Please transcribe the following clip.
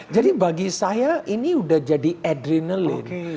jadi bagi saya ini udah jadi adrenaline